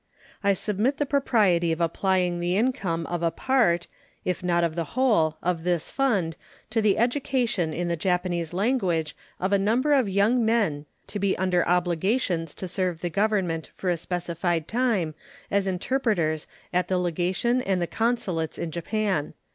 I submit the propriety of applying the income of a part, if not of the whole, of this fund to the education in the Japanese language of a number of young men to be under obligations to serve the Government for a specified time as interpreters at the legation and the consulates in Japan.